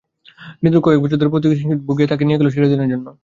হূদেরাগ কয়েক বছর ধরে পর্তুগিজ কিংবদন্তিকে ভুগিয়ে তাঁকে নিয়ে গেল চিরদিনের জন্য।